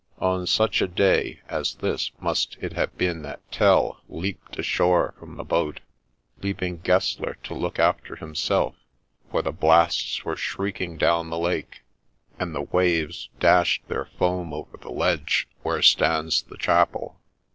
On such a day as this must it have been that Tell leaped ashore from the boat, leaving Gessler to look after himself; for the blasts were shrieking down the lake, and the waves dashed their foam over the ledge where stands the chapel.